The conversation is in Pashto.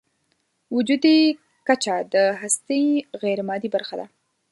وجودي کچه د هستۍ غیرمادي برخه ده.